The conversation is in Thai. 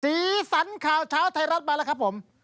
สีสันข่าวเช้าไทยรัฐมาแล้วครับผม